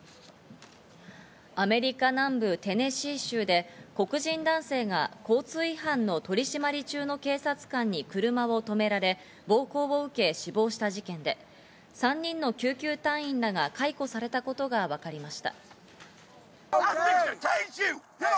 アメリカ南部テネシー州で黒人男性が交通違反の取り締まり中の警察官に車を止められ、暴行を受け死亡した事件で、３人の救急隊員らが解雇されたことがわかりました。